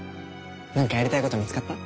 なんかやりたいこと見つかった？